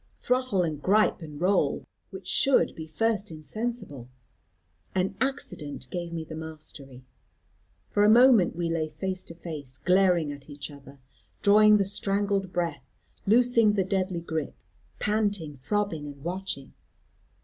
Throttle, and gripe, and roll which should be first insensible? An accident gave me the mastery. For a moment we lay face to face, glaring at each other, drawing the strangled breath, loosing the deadly grip, panting, throbbing, and watching.